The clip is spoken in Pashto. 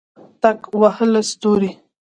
ټک وهله ستوري